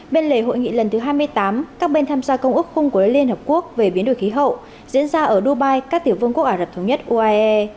bên lề hội nghị lần thứ hai mươi tám các bên tham gia công ước khung của liên hợp quốc về biến đổi khí hậu diễn ra ở dubai các tiểu vương quốc ả rập thống nhất uae